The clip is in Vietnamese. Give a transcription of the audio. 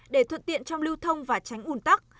để thuận tiện trong lưu thông và tránh ủn tắc